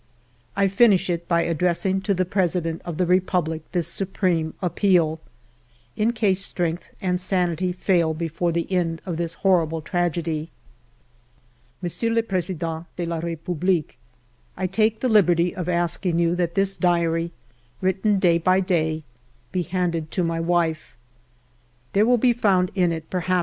I finish it by addressing to the President of the Republic this supreme appeal, in case strength and sanity fail before the end of this horrible tragedy :—*' Monsieur le President de la Republique :—" I take the liberty of asking you that this diary, written day by day, be handed to my wife. " There will be found in it, perhaps.